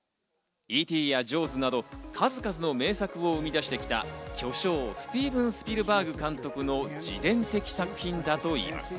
『Ｅ．Ｔ．』や『ＪＡＷＳ』など、数々の名作を生み出してきた巨匠スティーヴン・スピルバーグ監督の自伝的作品だといいます。